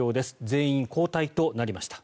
全員、交代となりました。